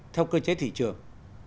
theo cơ chế thị trường